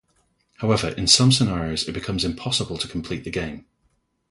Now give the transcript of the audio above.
However, in some scenarios it becomes impossible to complete the game.